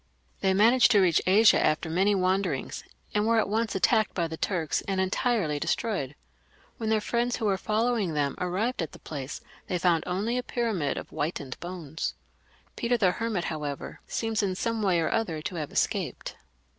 They managed to reach Asia after many wanderings, and were at once attacked by the Turks and entirely de stroyed. When their friends who were following them arrived at the place^ they found only a pyramid of whitened bones. Peter the Hermit, however, seems in some way or other to have escaped.